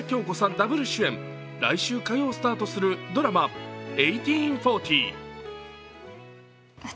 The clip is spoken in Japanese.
ダブル主演、来週火曜スタートするドラマ「１８／４０」。